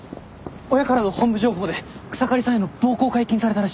親からの本部情報で草刈さんへの暴行解禁されたらしいっす。